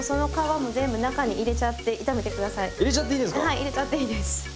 はい入れちゃっていいです。